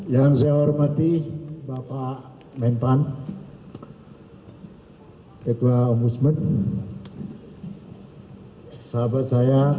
yang saya hormati bapak mempan ketua om usman sahabat saya